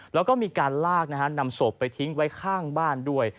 แล้วก็มีการลากนะฮะนำศพไปทิ้งไว้ข้างบ้านด้วย